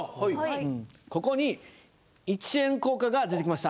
ここに１円硬貨が出てきました。